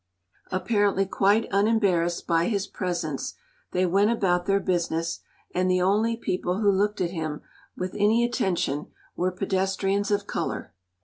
Apparently quite unembarrassed by his presence, they went about their business, and the only people who looked at him with any attention were pedestrians of color.